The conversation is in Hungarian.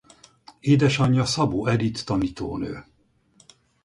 Édesanyja Szabó Edit tanítónő.